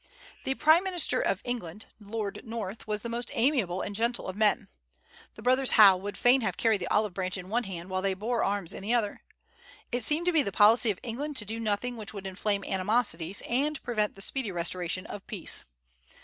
The prime minister of England, Lord North, was the most amiable and gentle of men. The brothers Howe would fain have carried the olive branch in one hand while they bore arms in the other. It seemed to be the policy of England to do nothing which would inflame animosities, and prevent the speedy restoration of peace.